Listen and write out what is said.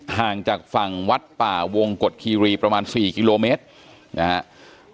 ห่างจากฝั่งวัดป่าวงกฎคีรีประมาณ๔กิโลเมตรนะครับ